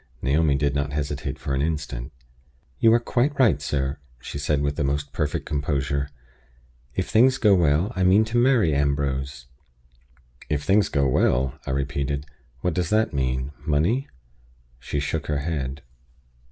Naomi did not hesitate for an instant. "You are quite right, sir," she said with the most perfect composure. "If things go well, I mean to marry Ambrose." "If things go well," I repeated. "What does that mean? Money?" She shook her head.